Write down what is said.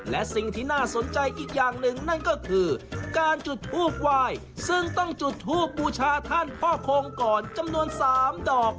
และสิ่งที่น่าสนใจอีกอย่างหนึ่งนั่นก็คือการจุดทูบไหว้ซึ่งต้องจุดทูบบูชาท่านพ่อคงก่อนจำนวน๓ดอก